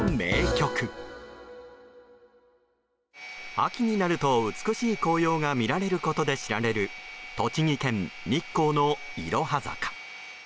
秋になると美しい紅葉が見られることで知られる栃木県日光のいろは坂。